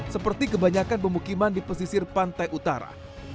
seperti kebanyakan pemukiman di pesisir pantai utara